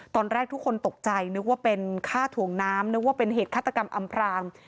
ตอนแรกทุกคนตกใจนึกว่าเป็นฆ่าถ่วงน้ำนึกว่าเป็นเหตุฆาตกรรมอำพราง